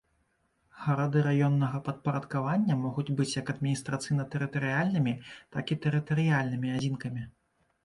Гарады раённага падпарадкавання могуць быць як адміністрацыйна-тэрытарыяльнымі, так і тэрытарыяльнымі адзінкамі.